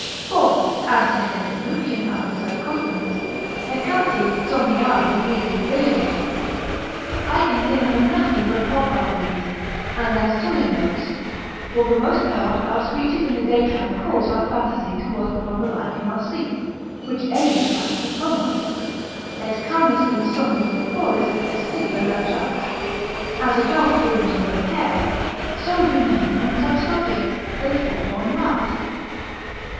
For, as he said in Lucian after such conference, Hecates somniare mihi videor, I can think of nothing but hobgoblins: and as Tully notes, for the most part our speeches in the daytime cause our fantasy to work upon the like in our sleep, which Ennius writes of Homer: Et canis in somnis leporis vestigia latrat: as a dog dreams of a hare, so do men on such subjects they thought on last.